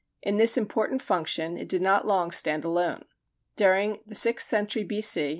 In this important function it did not long stand alone. During the sixth century B.C.